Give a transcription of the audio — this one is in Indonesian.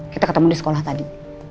kita ketemu di sekolah tadi